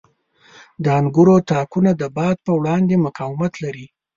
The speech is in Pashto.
• د انګورو تاکونه د باد په وړاندې مقاومت لري.